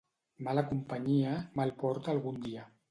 Mala companyia, mal porta algun dia.